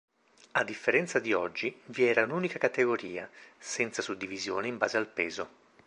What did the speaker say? A differenza di oggi, vi era un'unica categoria, senza suddivisione in base al peso.